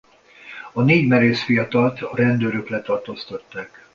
A négy merész fiatalt a rendőrök letartóztatták.